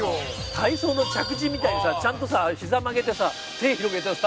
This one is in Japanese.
体操の着地みたいにさちゃんとさひざ曲げてさ手広げてさ。